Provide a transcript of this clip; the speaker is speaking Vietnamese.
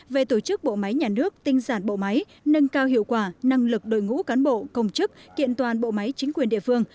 về tổ chức bộ máy nhà nước tinh giản bộ máy nâng cao hiệu quả năng lực đội ngũ cán bộ công chức kiện toàn bộ máy chính quyền địa phương